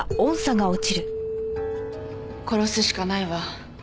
殺すしかないわ。